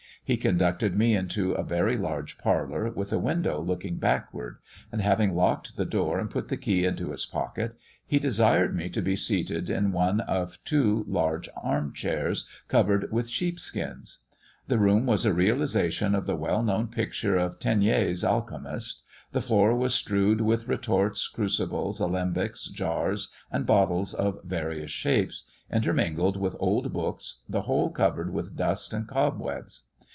He conducted me into a very large parlour, with a window looking backward, and having locked the door and put the key into his pocket, he desired me to be seated in one of two large armchairs, covered with sheepskins. The room was a realization of the well known picture of Teniers's Alchemist. The floor was strewed with retorts, crucibles, alembics, jars, and bottles of various shapes, intermingled with old books, the whole covered with dust and cobwebs.